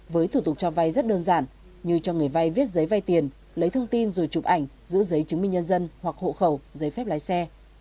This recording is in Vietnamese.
với thủ tục cho vay rất đơn giản như cho người vay viết giấy vay tiền lấy thông tin rồi chụp ảnh giữ giấy chứng minh nhân dân hoặc hộ khẩu giấy phép lái xe